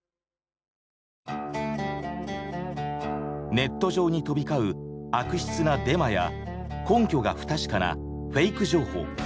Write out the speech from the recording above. ネット上に飛び交う悪質なデマや根拠が不確かなフェイク情報。